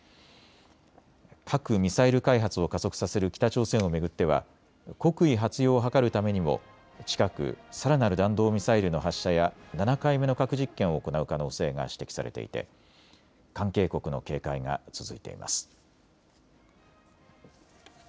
核・ミサイル開発を加速させる北朝鮮を巡っては国威発揚を図るためにも近く、さらなる弾道ミサイルの発射や７回目の核実験を行う可能性が指摘されていて関係国の警戒が続いています。